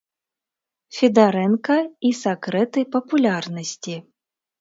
Федарэнка і сакрэты папулярнасці.